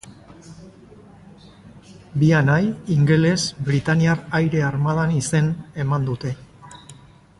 Bi anai ingeles Britainiar Aire Armadan izen eman dute.